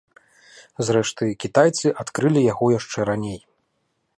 Зрэшты, кітайцы адкрылі яго яшчэ раней.